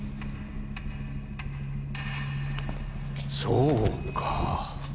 そうか。